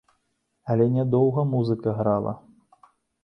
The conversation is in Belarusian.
Але не доўга музыка грала.